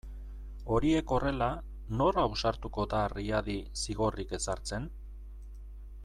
Horiek horrela, nor ausartuko da Riadi zigorrik ezartzen?